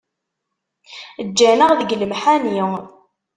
Ǧǧan-aɣ deg lemḥani